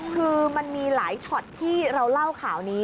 คือมันมีหลายช็อตที่เราเล่าข่าวนี้